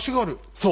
そう。